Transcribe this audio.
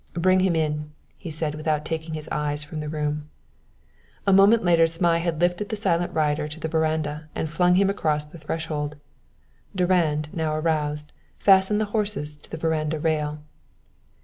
"Bring him in!" he said, without taking his eyes from the room. A moment later Zmai had lifted the silent rider to the veranda, and flung him across the threshold. Durand, now aroused, fastened the horses to the veranda rail.